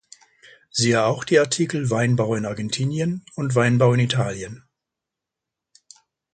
Siehe auch die Artikel Weinbau in Argentinien und Weinbau in Italien.